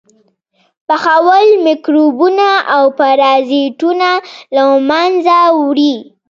پخول میکروبونه او پرازیټونه له منځه وړي.